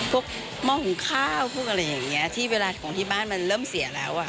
หม้อหุงข้าวพวกอะไรอย่างเงี้ยที่เวลาของที่บ้านมันเริ่มเสียแล้วอ่ะ